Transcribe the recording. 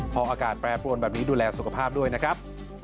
พออากาศแปรปรวนแบบนี้ดูแลสุขภาพด้วยนะครับ